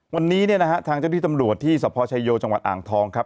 วันนี้เนี่ยนะฮะทางเจ้าที่ตำรวจที่สพชายโยจังหวัดอ่างทองครับ